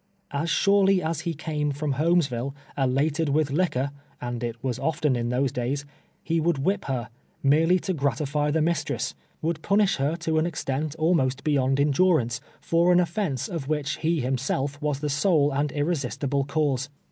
As surely as be came from Ilolmesville, elated witb liquor — and it was often in tbose days — be would wbi]3 ber, merely to gratify tbe mistress ; would 193 TWELVE 13!:.UtS A SLAVE. punish her to an extent almost beyond endurance, for an otlenee of wliicli lie hiutselt' was the sole and irre sistible cause.